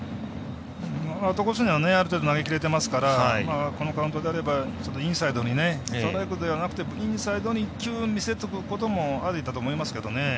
アウトコースにはある程度、投げ切れてますからこのカウントであればストライクではなくてインサイドに１球見せておくこともありだと思いますけどね。